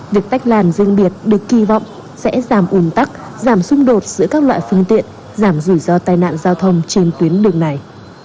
việc tách làn riêng biệt được kỳ vọng sẽ giảm ủn tắc giảm xung đột giữa các loại phương tiện giảm rủi ro tai nạn giao thông trên tuyến đường này